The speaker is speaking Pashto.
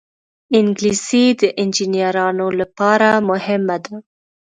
انګلیسي د انجینرانو لپاره مهمه ده